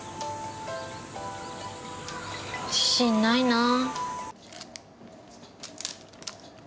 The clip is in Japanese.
自信ないなぁ。